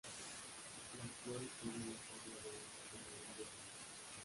Las flores tienen la forma de un plumerillo blanco.